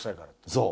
そう。